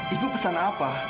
ibu pesan apa